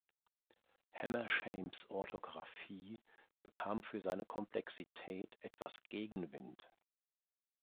Hammershaimbs Orthographie bekam für seine Komplexität etwas Gegenwind.